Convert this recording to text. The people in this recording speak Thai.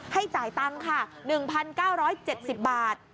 ให้จ่ายตังค์ค่ะ๑๙๗๐บาท